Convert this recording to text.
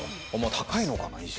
高いのかな意識。